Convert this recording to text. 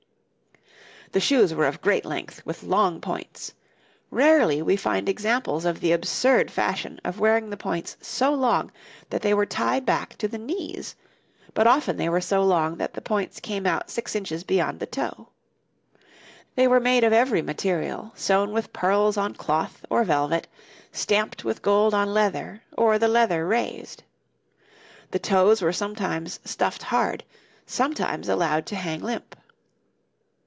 ] The shoes were of great length, with long points; rarely we find examples of the absurd fashion of wearing the points so long that they were tied back to the knees, but often they were so long that the points came out 6 inches beyond the toe. They were made of every material, sewn with pearls on cloth or velvet, stamped with gold on leather, or the leather raised. The toes were sometimes stuffed hard, sometimes allowed to hang limp.